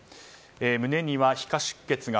胸には皮下出血が。